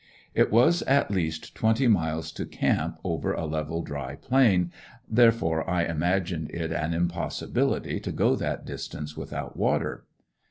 It was at least twenty miles to camp over a level, dry plain, therefore I imagined it an impossibility to go that distance without water.